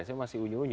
saya masih unyu unyu